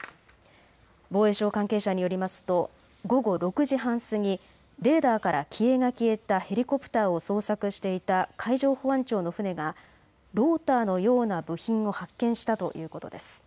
防衛省関係者によりますと午後６時半過ぎ、レーダーから機影が消えたヘリコプターを捜索していた海上保安庁の船がローターのような部品を発見したということです。